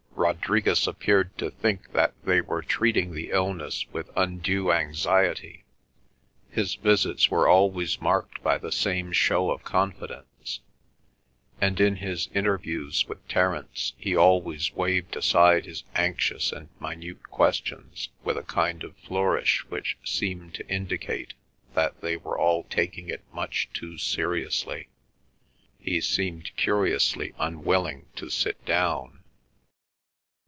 Rodriguez appeared to think that they were treating the illness with undue anxiety. His visits were always marked by the same show of confidence, and in his interviews with Terence he always waved aside his anxious and minute questions with a kind of flourish which seemed to indicate that they were all taking it much too seriously. He seemed curiously unwilling to sit down.